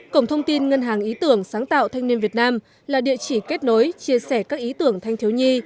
cổng thông tin ngân hàng ý tưởng sáng tạo thanh niên việt nam là địa chỉ kết nối chia sẻ các ý tưởng thanh thiếu nhi